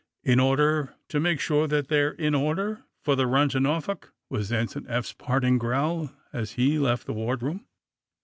^^In order to make sure that they're in or der for the run to Norfolk," was Ensign Eph's parting growl as he left the wardroom.